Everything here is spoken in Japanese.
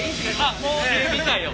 あっもうええみたいよ。